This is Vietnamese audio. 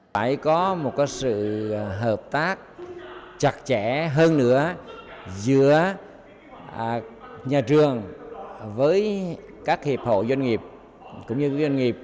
phải có một sự hợp tác chặt chẽ hơn nữa giữa nhà trường với các hiệp hội doanh nghiệp